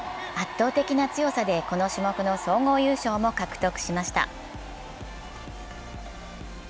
圧倒的な強さでこの種目の総合優勝も獲得しました。